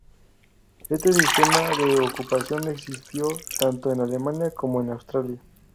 Este sistema de ocupación existió tanto en Alemania como en Austria.